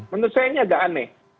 menurut saya ini agak aneh